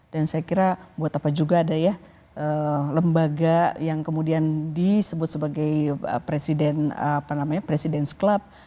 dan saya kira buat apa juga ada ya lembaga yang kemudian disebut sebagai presiden apa namanya president s club